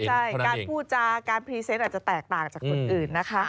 ใช่การพูดจาการพรีเซนต์อาจจะแตกต่างจากคนอื่นนะคะ